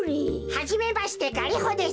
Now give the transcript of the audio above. はじめましてガリホです。